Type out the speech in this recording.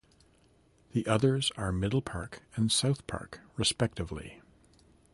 The others are Middle Park and South Park respectively.